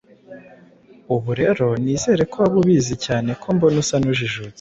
Ubu rero nizere ko waba ubizi, cyane ko mbona usa n’ujijutse.